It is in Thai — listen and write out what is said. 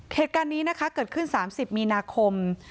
เหตุการณ์นี้นะคะเกิดขึ้น๓๐มีนาคม